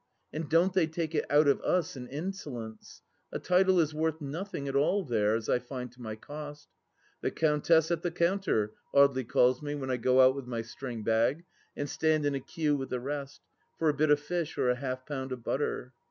And don't they take it out of Us in insolence I A title is worth nothing at all there, as I find to my cost. The Countess at the counter, Audely calls me when I go out with my string bag and stand in a queue with the rest, for a bit of fish or a half pound of butter.